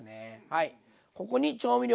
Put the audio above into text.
はい。